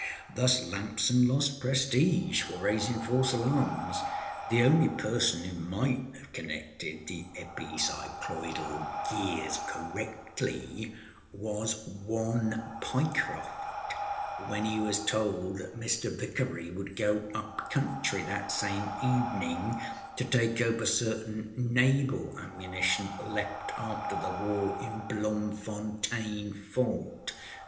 Thus Lamson lost prestige for raising false alarms. The only person âoo might âave connected the epicycloidal gears correctly was one Pyecroft, when he was told that Mr. Vickery would go up country that same evening to take over certain naval ammunition left after the war in Bloemfontein Fort.